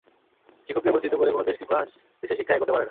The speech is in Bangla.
শিক্ষকদের বঞ্চিত করে কোনো দেশ কিংবা দেশের শিক্ষা এগোতে পারে না।